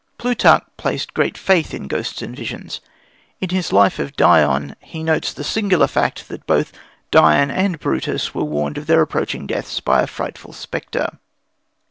Plutarch placed great faith in ghosts and visions. In his Life of Dion he notes the singular fact that both Dion and Brutus were warned of their approaching deaths by a frightful spectre.